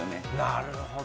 なるほど。